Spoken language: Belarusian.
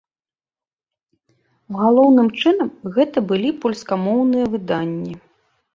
Галоўным чынам, гэта былі польскамоўныя выданні.